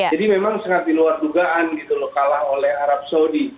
jadi memang sangat di luar dugaan gitu loh kalah oleh arab saudi